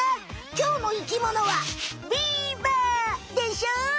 きょうの生きものはビーバーでしょ？